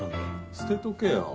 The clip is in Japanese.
捨てとけよ。